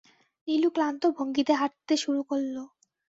নীলু ক্লান্ত ভঙ্গিতে হাঁটতে শুরু করল।